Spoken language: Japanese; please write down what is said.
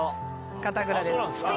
片倉です。